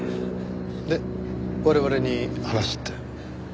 で我々に話って？